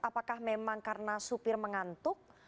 apakah memang karena supir mengantuk